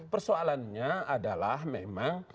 persoalannya adalah memang